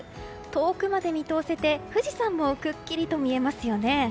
遠くまで見通せて富士山もくっきりと見えますよね。